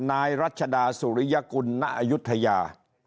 นายรัชดาสุริยกุลณอายุทยา